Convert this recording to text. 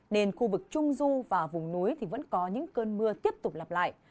nên khu vực trung du và vùng núi thì vẫn có những cơn mưa tiếp tục lặp lại